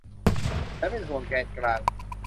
ฉันเป็นห่วงแกนกลาง